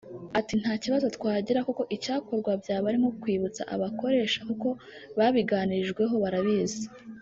Ati” Nta kibazo twagira kuko icyakorwa byaba ari nko kwibutsa abakoresha kuko babiganirijweho barabizi